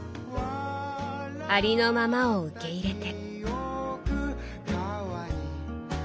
ありのままを受け入れて。